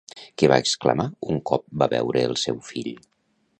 Què va exclamar un cop va veure el seu fill?